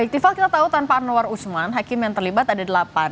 iktival kita tahu tanpa anwar usman hakim yang terlibat ada delapan